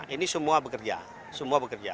ini semua bekerja semua bekerja